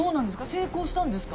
成功したんですか？